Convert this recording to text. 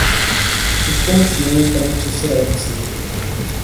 Už končím, paní předsedající.